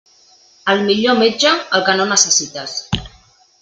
El millor metge: el que no necessites.